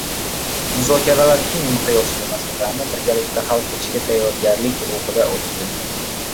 Muzokaralar keng miqyosli masalalarni birgalikda hal qilishga tayyorlik ruhida o‘tdi